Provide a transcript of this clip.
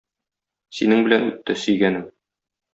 Синең белән үтте, сөйгәнем.